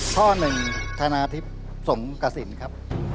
ข้อ๑ชนะทิพย์สงกระสินครับ